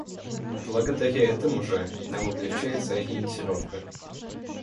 Благодаря этому же нам облегчается ориентировка.